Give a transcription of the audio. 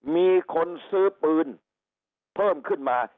มีคนซื้อปืนเพิ่มขึ้นมา